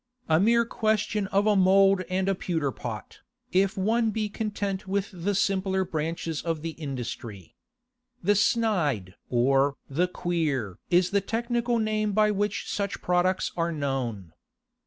A mere question of a mould and a pewter pot, if one be content with the simpler branches of the industry. 'The snyde' or 'the queer' is the technical name by which such products are known.